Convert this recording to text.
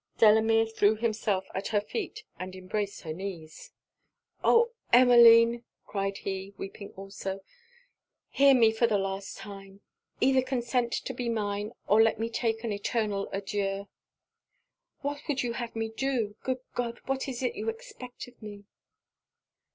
Delamere threw himself at her feet, and embraced her knees. 'Oh Emmeline!' cried he, weeping also, 'hear me for the last time. Either consent to be mine, or let me take an eternal adieu!' 'What would you have me do? good God! what is it you expect of me?'